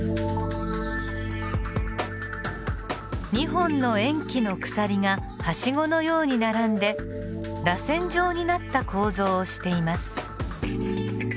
２本の塩基の鎖がはしごのように並んでらせん状になった構造をしています。